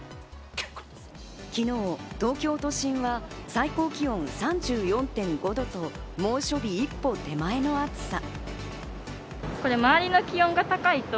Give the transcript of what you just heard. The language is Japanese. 昨日、東京都心は最高気温３４．５度と猛暑日一歩手前の暑さ。